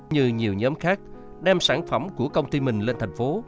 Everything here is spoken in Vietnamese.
như nhiều nhóm khác đem sản phẩm của công ty mình lên thành phố